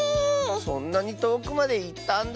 そんなにとおくまでいったんだ。